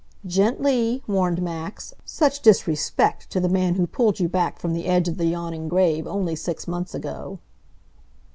"Gently," warned Max. "Such disrespect to the man who pulled you back from the edge of the yawning grave only six months ago!"